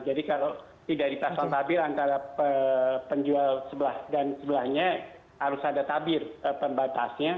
jadi kalau tidak dipasang tabir antara penjual sebelah dan sebelahnya harus ada tabir pembatasnya